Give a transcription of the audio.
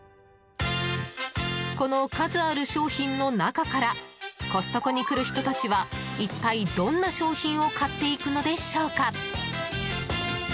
この数ある商品の中からコストコに来る人たちは一体どんな商品を買っていくのでしょうか。